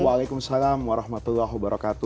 waalaikumsalam warahmatullahi wabarakatuh